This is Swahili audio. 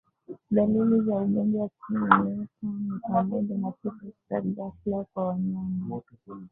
Dalili za ugonjwa wa kimeta ni pamoja na kifo cha ghafla kwa wanyama